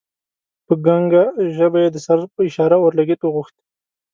په ګنګه ژبه یې د سر په اشاره اورلګیت وغوښت.